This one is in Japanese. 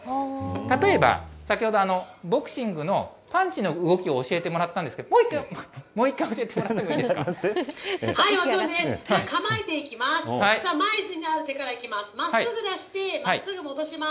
例えば先ほど、ボクシングのパンチの動きを教えてもらったんですけれども、もう一回、教えてもら構えていきます。